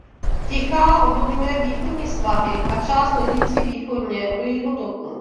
Tichá odvodňuje východní svahy a část ležící východně od jejího toku.